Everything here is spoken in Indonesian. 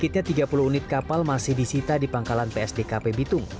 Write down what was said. sedikitnya tiga puluh unit kapal masih disita di pangkalan psdkp bitung